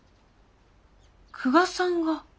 久我さんが？